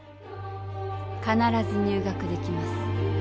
かならず入学できます。